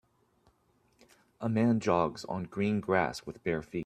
A man jogs on green grass with bare feet.